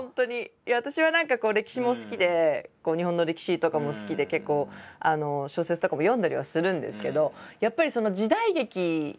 私は何かこう歴史も好きで日本の歴史とかも好きで結構小説とかも読んだりはするんですけど。